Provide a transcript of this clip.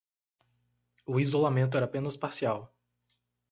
O isolamento era apenas parcial